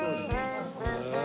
へえ。